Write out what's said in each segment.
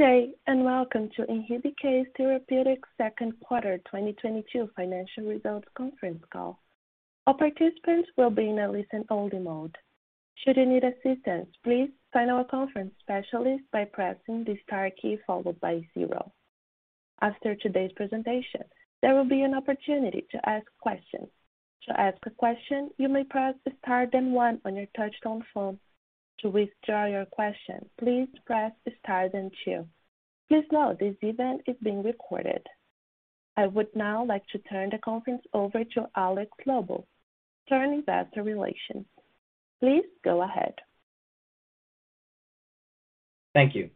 Good day, and welcome to Inhibikase Therapeutics' second quarter 2022 financial results conference call. All participants will be in a listen-only mode. Should you need assistance, please find our conference specialist by pressing the star key followed by zero. After today's presentation, there will be an opportunity to ask questions. To ask a question, you may press star then one on your touchtone phone. To withdraw your question, please press star then two. Please note this event is being recorded. I would now like to turn the conference over to Alex Lobo, Senior Investor Relations. Please go ahead.. Thank you.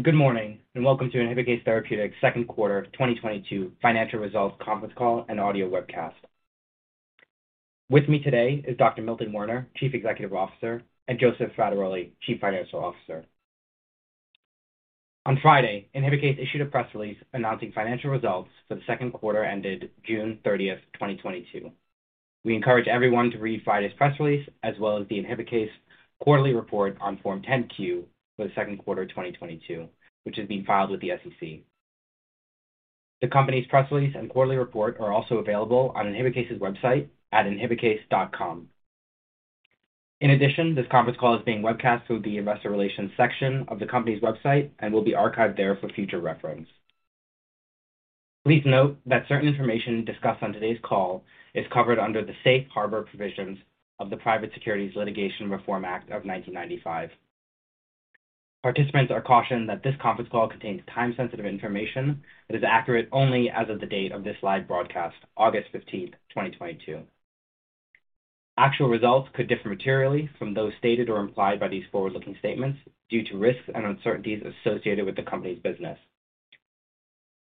Good morning, and welcome to Inhibikase Therapeutics' second quarter 2022 financial results conference call and audio webcast. With me today is Dr. Milton Werner, Chief Executive Officer, and Joseph Frattaroli, Chief Financial Officer. On Friday, Inhibikase issued a press release announcing financial results for the second quarter ended June 30, 2022. We encourage everyone to read Friday's press release as well as the Inhibikase quarterly report on Form 10-Q for the second quarter 2022, which is being filed with the SEC. The company's press release and quarterly report are also available on Inhibikase's website at inhibikase.com. In addition, this conference call is being webcast through the investor relations section of the company's website and will be archived there for future reference. Please note that certain information discussed on today's call is covered under the safe harbor provisions of the Private Securities Litigation Reform Act of 1995. Participants are cautioned that this conference call contains time-sensitive information that is accurate only as of the date of this live broadcast, August 15, 2022. Actual results could differ materially from those stated or implied by these forward-looking statements due to risks and uncertainties associated with the company's business.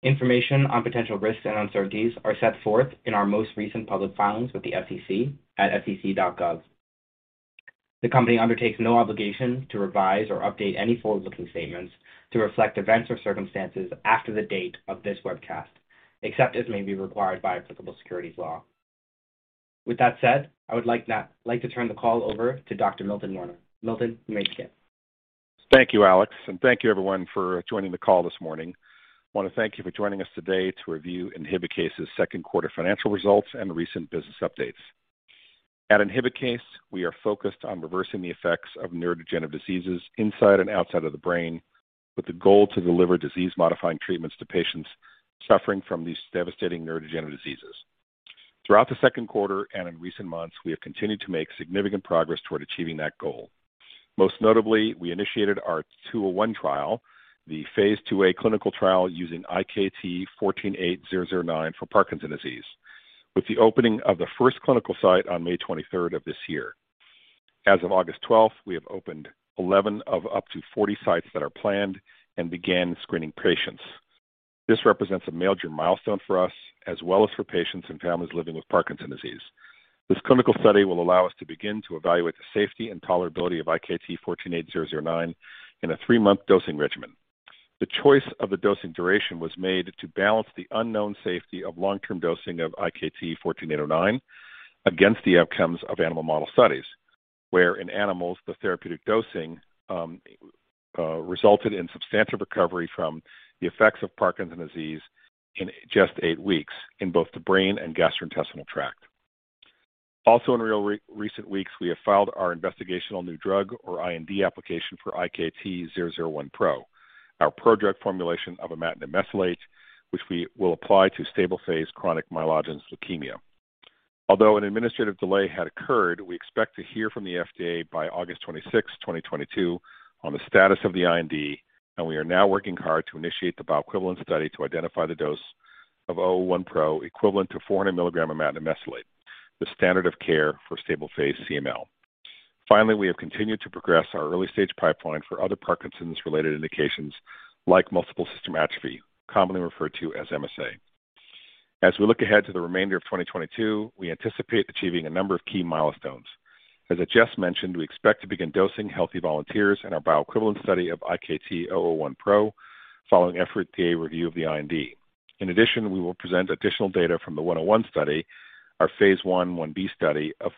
Information on potential risks and uncertainties are set forth in our most recent public filings with the SEC at sec.gov. The company undertakes no obligation to revise or update any forward-looking statements to reflect events or circumstances after the date of this webcast, except as may be required by applicable securities law. With that said, I would like like to turn the call over to Dr. Milton Werner. Milton, you may begin. Thank you, Alex, and thank you everyone for joining the call this morning. I wanna thank you for joining us today to review Inhibikase's second quarter financial results and recent business updates. At Inhibikase, we are focused on reversing the effects of neurodegenerative diseases inside and outside of the brain with the goal to deliver disease-modifying treatments to patients suffering from these devastating neurodegenerative diseases. Throughout the second quarter and in recent months, we have continued to make significant progress toward achieving that goal. Most notably, we initiated our 201 trial, the phase 2a clinical trial using IKT-148009 for Parkinson's disease with the opening of the first clinical site on May 23 of this year. As of August 12, we have opened 11 of up to 40 sites that are planned and began screening patients. This represents a major milestone for us as well as for patients and families living with Parkinson's disease. This clinical study will allow us to begin to evaluate the safety and tolerability of IKT-148009 in a three month dosing regimen. The choice of the dosing duration was made to balance the unknown safety of long-term dosing of IKT-148009 against the outcomes of animal model studies, where in animals, the therapeutic dosing resulted in substantial recovery from the effects of Parkinson's disease in just eight weeks in both the brain and gastrointestinal tract. Also in recent weeks, we have filed our investigational new drug or IND application for IKT-001Pro, our prodrug formulation of imatinib mesylate, which we will apply to stable phase chronic myelogenous leukemia. Although an administrative delay had occurred, we expect to hear from the FDA by August 26, 2022 on the status of the IND, and we are now working hard to initiate the bioequivalent study to identify the dose of IKT-001Pro equivalent to 400 mg imatinib mesylate, the standard of care for stable phase CML. Finally, we have continued to progress our early-stage pipeline for other Parkinson's-related indications like multiple system atrophy, commonly referred to as MSA. As we look ahead to the remainder of 2022, we anticipate achieving a number of key milestones. As I just mentioned, we expect to begin dosing healthy volunteers in our bioequivalent study of IKT-001Pro following FDA review of the IND. In addition, we will present additional data from the 101 study, our phase I, IB study of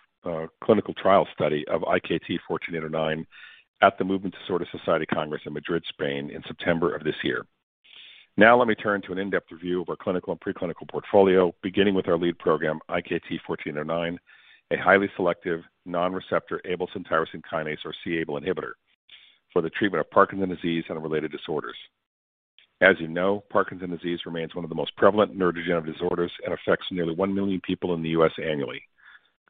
clinical trial study of IKT-148009 at the Movement Disorder Society Congress in Madrid, Spain in September of this year. Now let me turn to an in-depth review of our clinical and pre-clinical portfolio, beginning with our lead program, IKT-148009, a highly selective non-receptor c-Abl tyrosine kinase or c-Abl inhibitor for the treatment of Parkinson's disease and related disorders. As you know, Parkinson's disease remains one of the most prevalent neurodegenerative disorders and affects nearly 1 million people in the U.S. annually.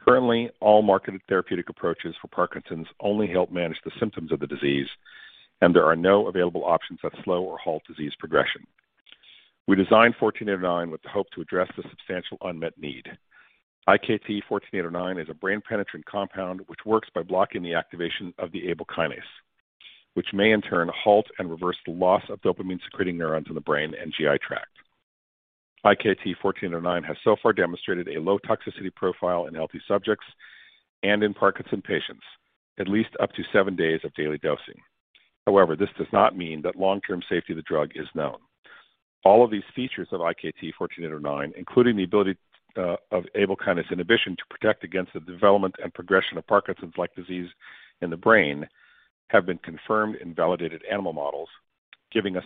Currently, all marketed therapeutic approaches for Parkinson's only help manage the symptoms of the disease, and there are no available options that slow or halt disease progression. We designed 148009 with the hope to address the substantial unmet need. IKT-148009 is a brain-penetrant compound which works by blocking the activation of the Abl kinase, which may in turn halt and reverse the loss of dopamine-secreting neurons in the brain and GI tract. IKT-148009 has so far demonstrated a low toxicity profile in healthy subjects and in Parkinson's patients at least up to seven days of daily dosing. However, this does not mean that long-term safety of the drug is known. All of these features of IKT-148009, including the ability of Abl kinase inhibition to protect against the development and progression of Parkinson's-like disease in the brain, have been confirmed in validated animal models, giving us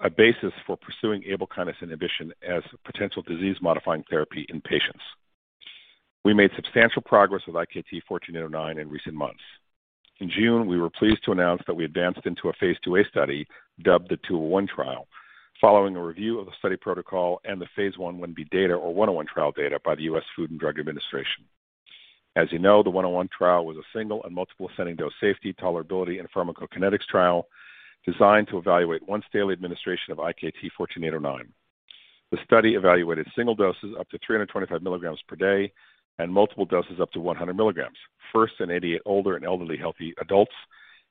a basis for pursuing Abl kinase inhibition as potential disease-modifying therapy in patients. We made substantial progress with IKT-148009 in recent months. In June, we were pleased to announce that we advanced into a phase II A study dubbed the 201 trial. Following a review of the study protocol and the phase I/I B data or 101 trial data by the U.S. Food and Drug Administration. As you know, the 101 trial was a single and multiple ascending dose safety, tolerability, and pharmacokinetics trial designed to evaluate once daily administration of IKT-148009. The study evaluated single doses up to 325 milligrams per day and multiple doses up to 100 milligrams. First in 88 older and elderly healthy adults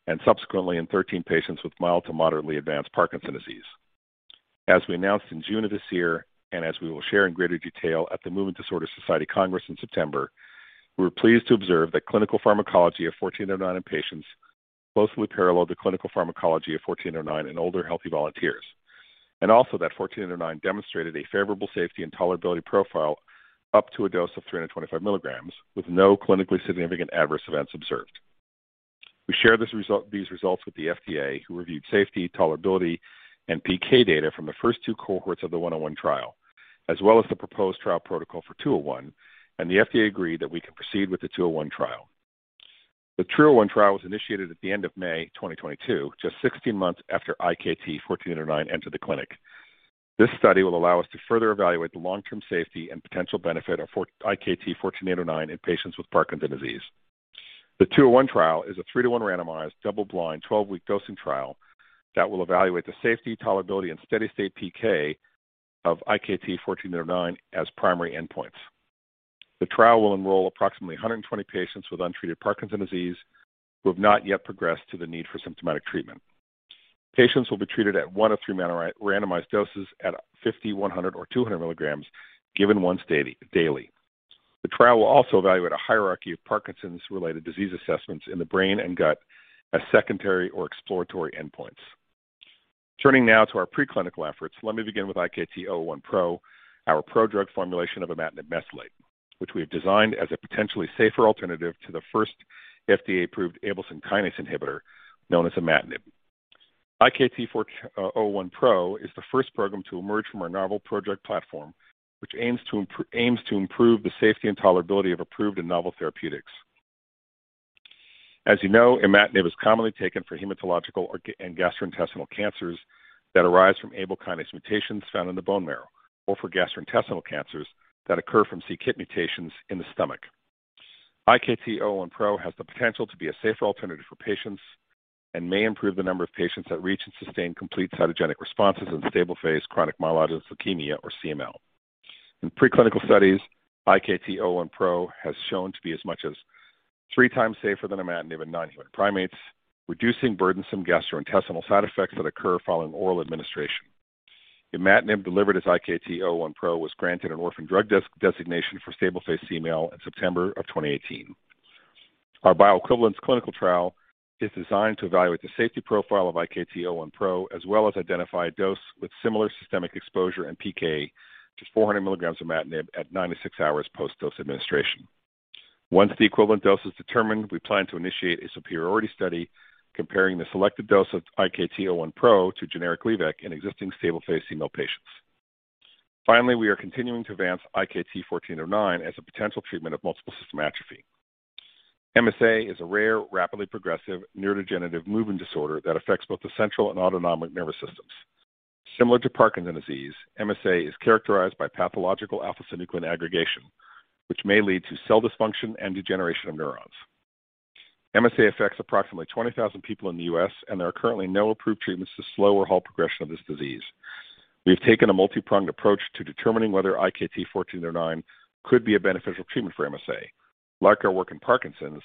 and subsequently in 13 patients with mild to moderately advanced Parkinson's disease. As we announced in June of this year, and as we will share in greater detail at the Movement Disorder Society Congress in September, we were pleased to observe that clinical pharmacology of IKT-148009 in patients closely paralleled the clinical pharmacology of IKT-148009 in older healthy volunteers. Also that IKT-148009 demonstrated a favorable safety and tolerability profile up to a dose of 325 milligrams, with no clinically significant adverse events observed. We share these results with the FDA, who reviewed safety, tolerability, and PK data from the first two cohorts of the 101 trial, as well as the proposed trial protocol for 201, and the FDA agreed that we could proceed with the 201 trial. The 201 trial was initiated at the end of May 2022, just 16 months after IKT-148009 entered the clinic. This study will allow us to further evaluate the long-term safety and potential benefit of IKT-148009 in patients with Parkinson's disease. The 201 trial is a 3-1 randomized, double-blind, 12-week dosing trial that will evaluate the safety, tolerability, and steady-state PK of IKT-148009 as primary endpoints. The trial will enroll approximately 120 patients with untreated Parkinson's disease who have not yet progressed to the need for symptomatic treatment. Patients will be treated at one of three randomized doses at 50 mg, 100 mg, or 200 mg, given once daily. The trial will also evaluate a hierarchy of Parkinson's-related disease assessments in the brain and gut as secondary or exploratory endpoints. Turning now to our preclinical efforts, let me begin with IkT-001Pro, our pro-drug formulation of imatinib mesylate, which we have designed as a potentially safer alternative to the first FDA-approved Abl kinase inhibitor, known as imatinib. IkT-001Pro is the first program to emerge from our novel project platform, which aims to improve the safety and tolerability of approved and novel therapeutics. As you know, imatinib is commonly taken for hematological and gastrointestinal cancers that arise from Abl kinase mutations found in the bone marrow, or for gastrointestinal cancers that occur from c-KIT mutations in the stomach. IkT-001Pro has the potential to be a safer alternative for patients and may improve the number of patients that reach and sustain complete cytogenetic responses in stable-phase chronic myelogenous leukemia or CML. In preclinical studies, IkT-001Pro has shown to be as much as three times safer than imatinib in non-human primates, reducing burdensome gastrointestinal side effects that occur following oral administration. Imatinib delivered as IkT-001Pro was granted an orphan drug designation for stable-phase CML in September of 2018. Our bioequivalence clinical trial is designed to evaluate the safety profile of IkT-001Pro, as well as identify a dose with similar systemic exposure and PK to 400 mg imatinib at 96 hours post-dose administration. Once the equivalent dose is determined, we plan to initiate a superiority study comparing the selected dose of IkT-001Pro to generic Gleevec in existing stable-phase CML patients. Finally, we are continuing to advance IkT-148009 as a potential treatment of multiple system atrophy. MSA is a rare, rapidly progressive, neurodegenerative movement disorder that affects both the central and autonomic nervous systems. Similar to Parkinson's disease, MSA is characterized by pathological alpha-synuclein aggregation, which may lead to cell dysfunction and degeneration of neurons. MSA affects approximately 20,000 people in the U.S., and there are currently no approved treatments to slow or halt progression of this disease. We have taken a multi-pronged approach to determining whether IkT-148009 could be a beneficial treatment for MSA. Like our work in Parkinson's,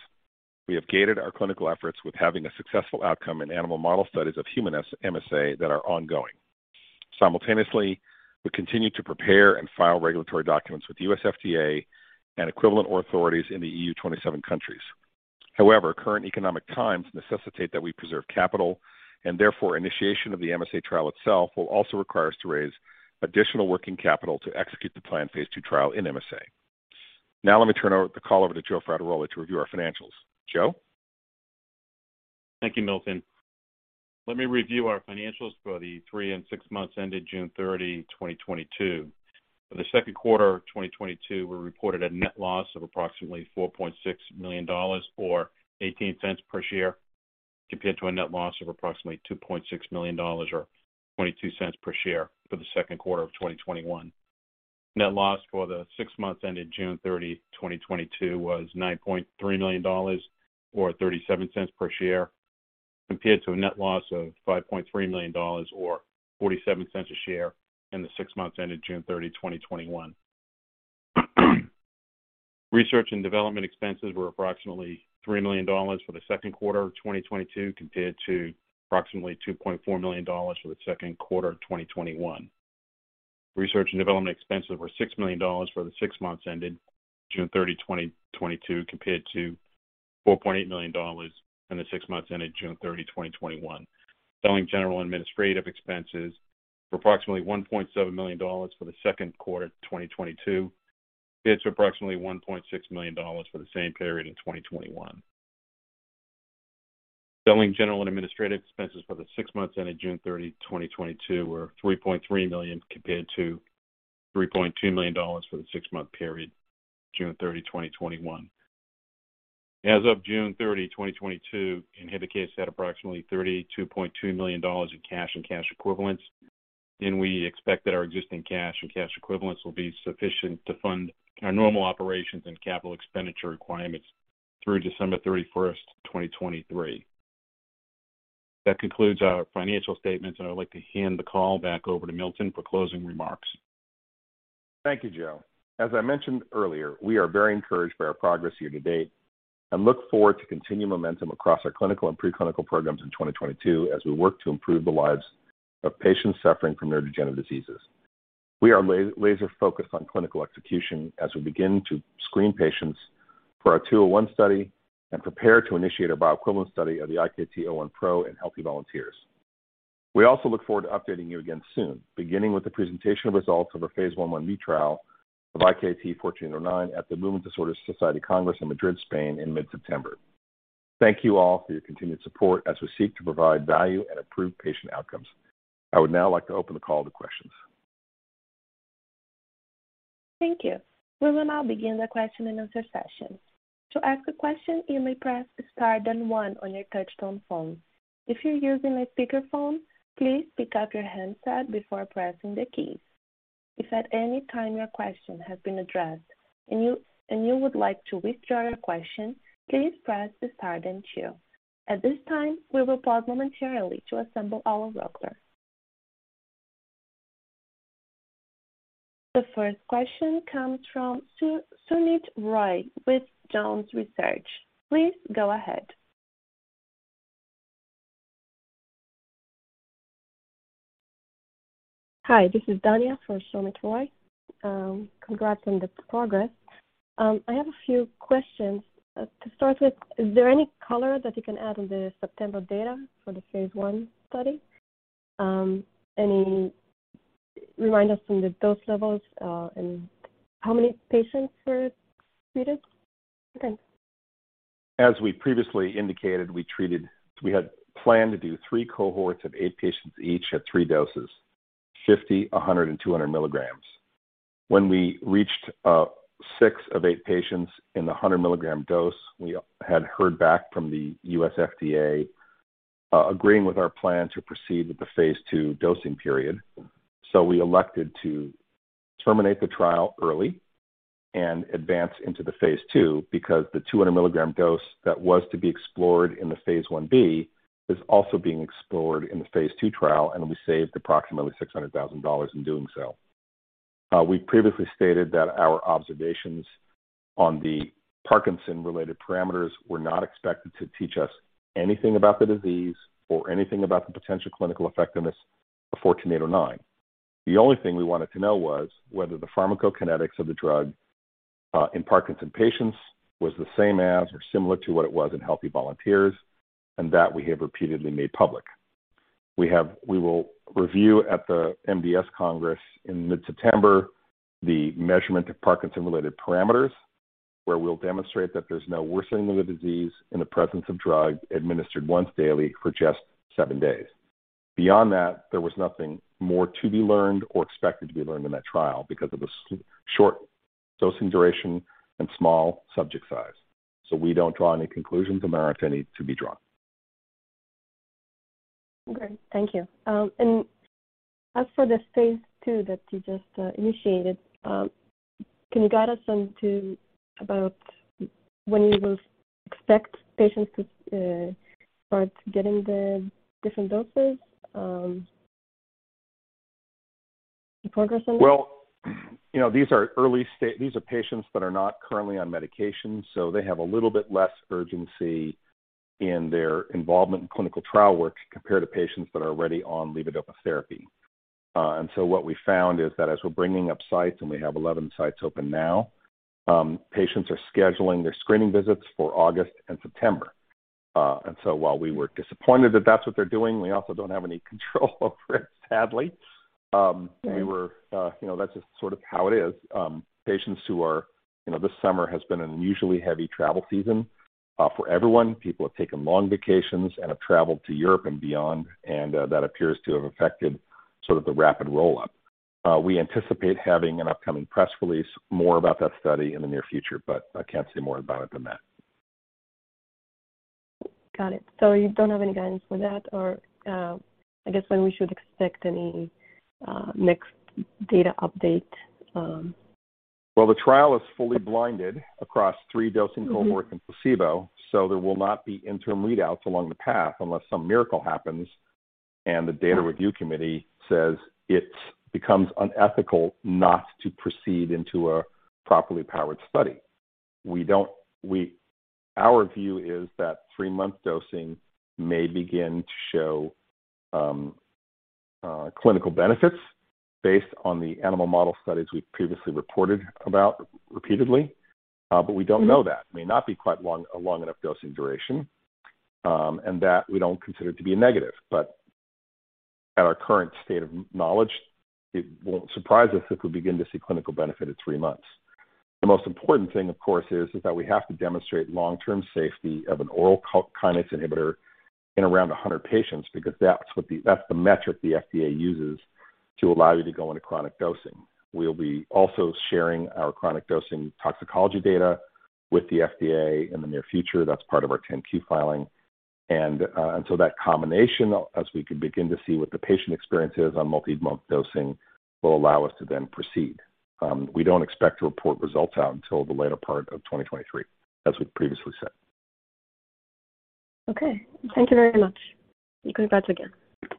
we have gated our clinical efforts with having a successful outcome in animal model studies of human MSA that are ongoing. Simultaneously, we continue to prepare and file regulatory documents with the U.S. FDA and equivalent authorities in the E.U. 27 countries. However, current economic times necessitate that we preserve capital, and therefore, initiation of the MSA trial itself will also require us to raise additional working capital to execute the planned phase II trial in MSA. Now let me turn the call over to Joe Frattaroli to review our financials. Joe? Thank you, Milton. Let me review our financials for the three and six months ended June 30, 2022. For the second quarter of 2022, we reported a net loss of approximately $4.6 million or $0.18 per share, compared to a net loss of approximately $2.6 million or $0.22 per share for the second quarter of 2021. Net loss for the six months ended June 30, 2022 was $9.3 million or $0.37 per share, compared to a net loss of $5.3 million or $0.47 a share in the six months ended June 30, 2021. Research and development expenses were approximately $3 million for the second quarter of 2022 compared to approximately $2.4 million for the second quarter of 2021. Research and development expenses were $6 million for the six months ended June 30, 2022, compared to $4.8 million in the six months ended June 30, 2021. Selling, general, and administrative expenses were approximately $1.7 million for the second quarter of 2022 compared to approximately $1.6 million for the same period in 2021. Selling, general, and administrative expenses for the six months ended June 30, 2022 were $3.3 million compared to $3.2 million for the six-month period June 30, 2021. As of June 30, 2022, Inhibikase has had approximately $32.2 million in cash and cash equivalents, and we expect that our existing cash and cash equivalents will be sufficient to fund our normal operations and capital expenditure requirements through December 31, 2023. That concludes our financial statements, and I would like to hand the call back over to Milton for closing remarks. Thank you, Joe. As I mentioned earlier, we are very encouraged by our progress year to date and look forward to continued momentum across our clinical and pre-clinical programs in 2022 as we work to improve the lives of patients suffering from neurodegenerative diseases. We are laser focused on clinical execution as we begin to screen patients for our 201 study and prepare to initiate a bioequivalent study of the IkT-001Pro in healthy volunteers. We also look forward to updating you again soon, beginning with the presentation of results of our phase 101 trial of IkT-148009 at the Movement Disorder Society Congress in Madrid, Spain in mid-September. Thank you all for your continued support as we seek to provide value and improve patient outcomes. I would now like to open the call to questions. Thank you. We will now begin the question and answer session. To ask a question, you may press star then one on your touchtone phone. If you're using a speakerphone, please pick up your handset before pressing the keys. If at any time your question has been addressed and you would like to withdraw your question, please press star then two. At this time, we will pause momentarily to assemble our rolodex. The first question comes from Sumit Roy with Jones Research. Please go ahead. Hi, this is Dania for Sumit Roy. Congrats on the progress. I have a few questions. To start with, is there any color that you can add on the September data for the phase I study? Remind us from the dose levels, and how many patients were treated? Thanks. As we previously indicated, we had planned to do three cohorts of eight patients each at three doses, 50 mg, 100 mg, and 200 mg. When we reached six of eight patients in the 100 mg dose, we had heard back from the U.S. FDA, agreeing with our plan to proceed with the phase II dosing period. We elected to terminate the trial early and advance into the phase II because the 200-milligram dose that was to be explored in the phase I B is also being explored in the phase II trial, and we saved approximately $600,000 in doing so. We previously stated that our observations on the Parkinson-related parameters were not expected to teach us anything about the disease or anything about the potential clinical effectiveness of IKT-148009. The only thing we wanted to know was whether the pharmacokinetics of the drug in Parkinson's patients was the same as or similar to what it was in healthy volunteers, and that we have repeatedly made public. We will review at the MDS Congress in mid-September the measurement of Parkinson's-related parameters, where we'll demonstrate that there's no worsening of the disease in the presence of drug administered once daily for just seven days. Beyond that, there was nothing more to be learned or expected to be learned in that trial because of the short dosing duration and small subject size. We don't draw any conclusions unless any to be drawn. Great. Thank you. As for the phase II that you just initiated, can you guide us on about when you will expect patients to start getting the different doses? Any progress on that? Well, you know, these are patients that are not currently on medication, so they have a little bit less urgency in their involvement in clinical trial work compared to patients that are already on levodopa therapy. What we found is that as we're bringing up sites, and we have 11 sites open now, patients are scheduling their screening visits for August and September. While we were disappointed that that's what they're doing, we also don't have any control over it, sadly. You know, that's just sort of how it is. Patients who are, you know, this summer has been an unusually heavy travel season for everyone. People have taken long vacations and have traveled to Europe and beyond, and that appears to have affected sort of the rapid roll-up. We anticipate having an upcoming press release more about that study in the near future, but I can't say more about it than that. Got it. You don't have any guidance for that or, I guess, when we should expect any next data update? Well, the trial is fully blinded across 3 dosing cohorts and placebo, so there will not be interim readouts along the path unless some miracle happens and the data review committee says it becomes unethical not to proceed into a properly powered study. Our view is that three months dosing may begin to show clinical benefits based on the animal model studies we've previously reported about repeatedly. But we don't know that. It may not be quite long, a long enough dosing duration, and that we don't consider to be a negative. But at our current state of knowledge, it won't surprise us if we begin to see clinical benefit at three months. The most important thing, of course, is that we have to demonstrate long-term safety of an oral c-Abl kinase inhibitor in around 100 patients because that's what the That's the metric the FDA uses to allow you to go into chronic dosing. We'll be also sharing our chronic dosing toxicology data with the FDA in the near future. That's part of our 10-Q filing. Until that combination, as we can begin to see what the patient experience is on multi-month dosing, will allow us to then proceed. We don't expect to report results out until the later part of 2023, as we previously said. Okay. Thank you very much. Congrats again. Thank you.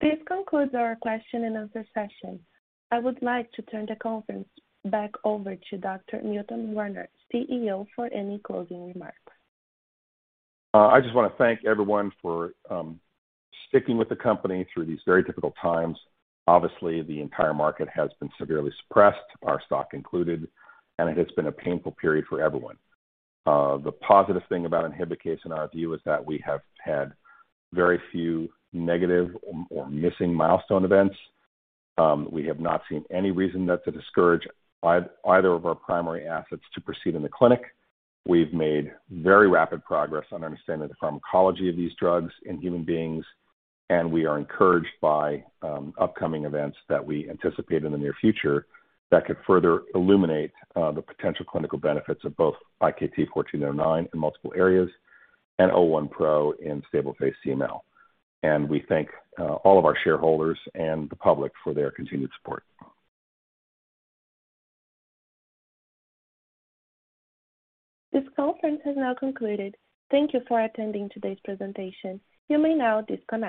This concludes our question and answer session. I would like to turn the conference back over to Dr. Milton Werner, CEO, for any closing remarks. I just want to thank everyone for sticking with the company through these very difficult times. Obviously, the entire market has been severely suppressed, our stock included, and it has been a painful period for everyone. The positive thing about Inhibikase's in our view is that we have had very few negative or missing milestone events. We have not seen any reason to discourage either of our primary assets to proceed in the clinic. We've made very rapid progress on understanding the pharmacology of these drugs in human beings, and we are encouraged by upcoming events that we anticipate in the near future that could further illuminate the potential clinical benefits of both IKT-148009 in multiple areas and IKT-001Pro in stable phase CML. We thank all of our shareholders and the public for their continued support. This conference has now concluded. Thank you for attending today's presentation. You may now disconnect.